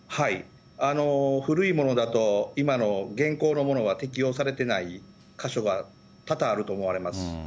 古いものだと、今の現行のものは適用されてない箇所が多々あると思われます。